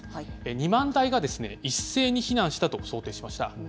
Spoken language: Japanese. ２万台が一斉に避難したと想定しました。